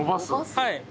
はい。